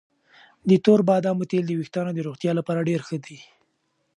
د تور بادامو تېل د ویښتانو د روغتیا لپاره ډېر ښه دي.